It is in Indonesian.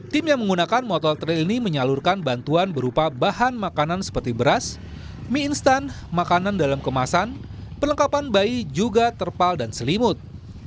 tim yang menggunakan motor trail ini menyalurkan bantuan berupa bahan makanan seperti beras mie instan makanan dalam kemasan perlengkapan bayi juga terpal dan selimut